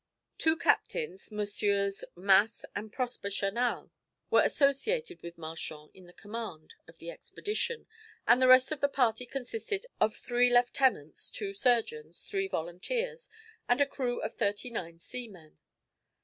Two captains, MM. Masse and Prosper Chanal, were associated with Marchand in the command of the expedition, and the rest of the party consisted of three lieutenants, two surgeons, three volunteers, and a crew of thirty nine seamen.